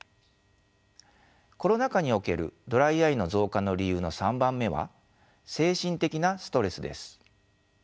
コロナ禍におけるドライアイの増加の理由の３番目は精神的なストレスです。